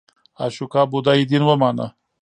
اشوکا بودایی دین ومانه.